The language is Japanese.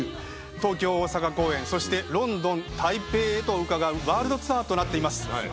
東京大阪公演そしてロンドン台北へと伺うワールドツアーとなっています。